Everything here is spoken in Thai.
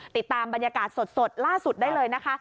ติดตามบรรยากาศสดล่าสุดได้เลยนะคะ